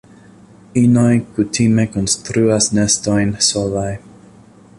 Inoj kutime konstruas nestojn solaj.